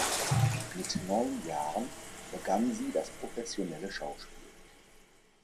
Mit neun Jahren begann sie das professionelle Schauspiel.